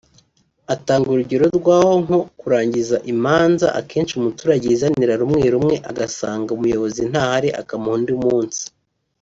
Atanga urugero rw’aho nko kurangiza imanza akenshi umuturage yizanira rumwe rumwe agasanga umuyobozi ntahari akamuha undi munsi